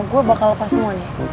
gue bakal lepas semua nih